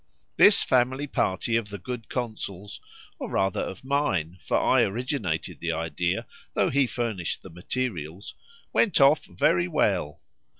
This family party of the good consul's (or rather of mine, for I originated the idea, though he furnished the materials) went off very well.